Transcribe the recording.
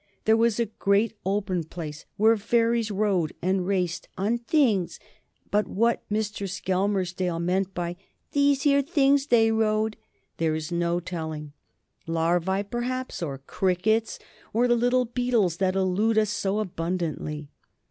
There was a great open place where fairies rode and raced on "things," but what Mr. Skelmersdale meant by "these here things they rode," there is no telling. Larvae, perhaps, or crickets, or the little beetles that elude us so abundantly.